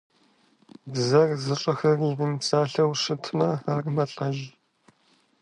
Бзэр зыщӀэхэр иримыпсалъэу щытмэ, ар мэлӀэж.